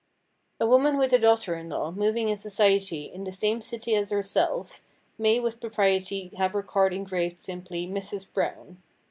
A woman with a daughter in law moving in society in the same city as herself may with propriety have her card engraved simply "Mrs. Brown."